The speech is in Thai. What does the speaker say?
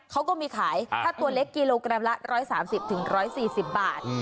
ถ้าตัวเล็กกิโลกรัมละร้อยสามสิบถึงร้อยสี่สิบบาท